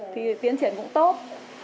thì tiến triển cũng tốt